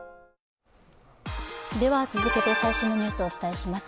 続けて最新のニュースをお伝えします。